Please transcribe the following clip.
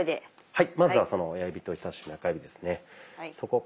はい。